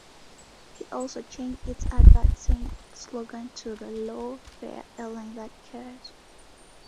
It also changed its advertising slogan to "The Low Fare Airline That Cares".